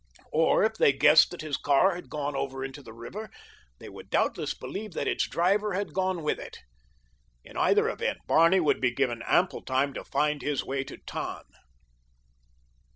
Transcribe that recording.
Or, if they guessed that his car had gone over into the river, they would doubtless believe that its driver had gone with it. In either event Barney would be given ample time to find his way to Tann.